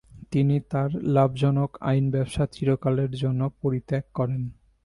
তিনি তার লাভজনক আইনব্যবসা চিরকালের জন্য পরিত্যাগ করেন।